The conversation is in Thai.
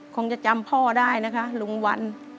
คงจะจำพ่อได้นะคะลุงวัน